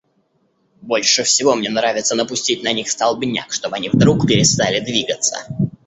Больше всего мне нравится напустить на них столбняк, чтобы они вдруг перестали двигаться.